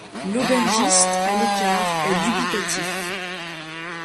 L'aubergiste, à l'écart, est dubitatif.